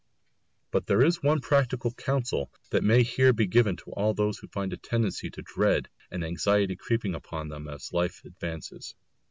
But there is one practical counsel that may here be given to all who find a tendency to dread and anxiety creeping upon them as life advances.